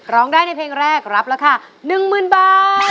ร้องได้ในเพลงแรกรับราคาหนึ่งหมื่นบาท